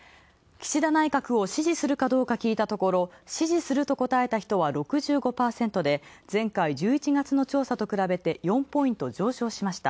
岸田内閣を支持するかどうか聞いたところ、支持すると答えた人は６５％で、前回１１月の調査と比べて、４ポイント上昇しました。